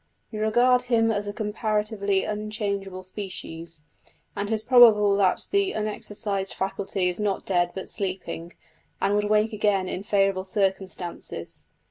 We regard him as a comparatively unchangeable species, and it is probable that the unexercised faculty is not dead but sleeping, and would wake again in favourable circumstances.